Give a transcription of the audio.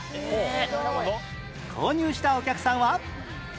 購入したお客さんは